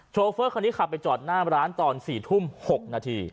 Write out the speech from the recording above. โฟร์คันนี้ขับไปจอดหน้าร้านตอน๔ทุ่ม๖นาที